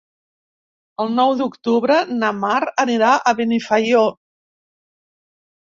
El nou d'octubre na Mar anirà a Benifaió.